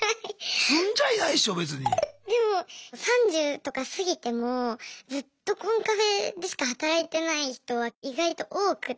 でも３０とか過ぎてもずっとコンカフェでしか働いてない人は意外と多くて。